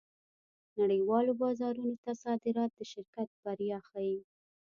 نړۍوالو بازارونو ته صادرات د شرکت بریا ښيي.